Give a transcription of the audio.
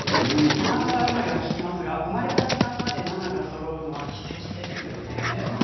七夕生まれは聞きますが生まれた時間まで７がそろうのは奇跡ですよね。